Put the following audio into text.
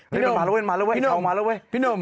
พี่นุ่มนุ่มนุ่ม